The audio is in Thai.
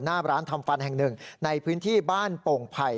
หน้าร้านทำฟันแห่งหนึ่งในพื้นที่บ้านโป่งไผ่